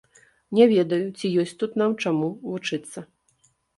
Не ведаю, ці ёсць тут нам чаму вучыцца.